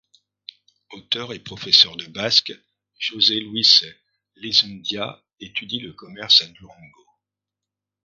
Auteur et professeur de basque, José Luis Lizundia étudie le commerce à Durango.